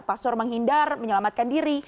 pastor menghindar menyelamatkan diri